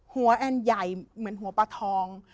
หัวแอนใหญ่เหมือนหัวปลาทอง